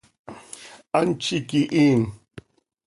¡Hant z iiqui hiin!